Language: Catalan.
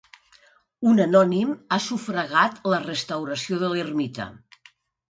Un anònim ha sufragat la restauració de l'ermita.